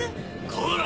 こら！